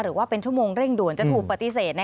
หรือว่าเป็นชั่วโมงเร่งด่วนจะถูกปฏิเสธ